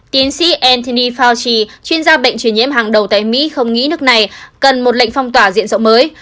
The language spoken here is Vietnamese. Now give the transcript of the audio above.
tiến sĩ anthony fauci chuyên gia bệnh truyền nhiễm hàng đầu tại mỹ không nghĩ nước này cần một lệnh phong tỏa diễn rộng mới